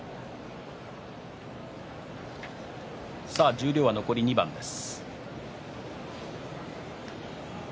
十両は残り２番です。